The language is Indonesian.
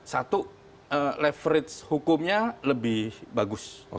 satu leverage hukumnya lebih bagus